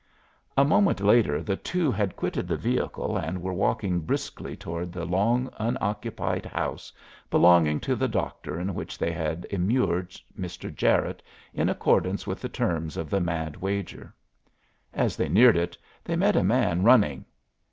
A moment later the two had quitted the vehicle and were walking briskly toward the long unoccupied house belonging to the doctor in which they had immured Mr. Jarette in accordance with the terms of the mad wager. As they neared it they met a man running.